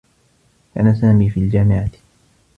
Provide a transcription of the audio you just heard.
كان سامي في الجامعة.